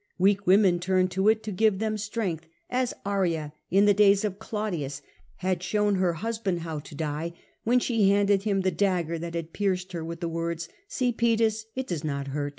Weak women turned to it to give them strength, as Arria, in the days of Claudius, had shown her husband how to die, when she but spread handed him the dagger that had pierced her with the words, ^ See, Paetus, it does not hurt.